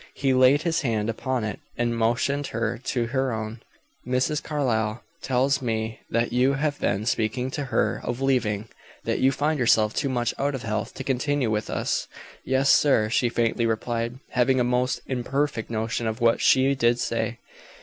He laid his hand upon it, and motioned her to her own. "Mrs. Carlyle tells me that you have been speaking to her of leaving that you find yourself too much out of health to continue with us." "Yes, sir," she faintly replied, having a most imperfect notion of what she did say.